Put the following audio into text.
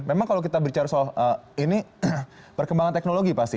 memang kalau kita bicara soal ini perkembangan teknologi pasti